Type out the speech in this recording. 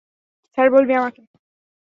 Sir বলবি আমাকে।